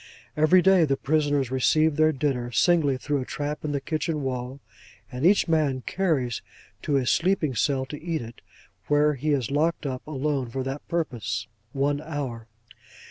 Every day, the prisoners receive their dinner, singly, through a trap in the kitchen wall; and each man carries his to his sleeping cell to eat it, where he is locked up, alone, for that purpose, one hour.